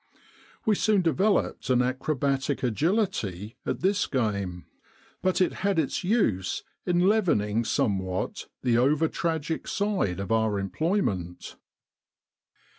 We soon developed an acrobatic agility at this game. But it had its use in leavening somewhat the over tragic side of our employment.